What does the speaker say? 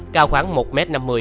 cao khoảng một m năm mươi